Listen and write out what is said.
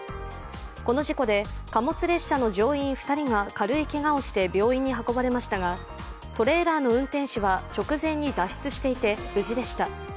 この事故で貨物列車の乗員２人が軽いけがをして病院に運ばれましたがトレーラーの運転手は直前に脱出していて無事でした。